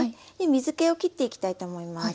水けをきっていきたいと思います。